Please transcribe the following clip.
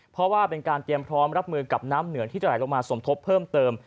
เพราะว่าเป็นการเตรียมพร้อมรับมือกับน้ำเหนือที่จะไหลลงมาสมทบเพิ่มเติม